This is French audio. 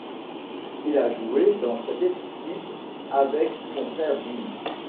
Il a joué dans cette équipe avec son fère Jimmy.